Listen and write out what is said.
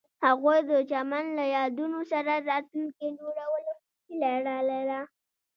هغوی د چمن له یادونو سره راتلونکی جوړولو هیله لرله.